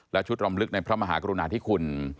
และชุดรำลึกในพระมหากรุณาธิคุณ